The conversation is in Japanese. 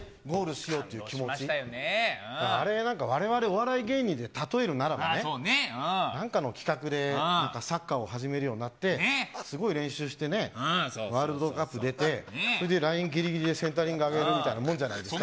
あれ、なんかわれわれ、お笑い芸人で例えるならね、なんかの企画でなんかサッカーを始めるようになって、すごい練習してね、ワールドカップ出て、それでラインぎりぎりで、センタリング上げてるみたいなもんじゃないですか。